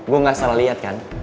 gue gak salah lihat kan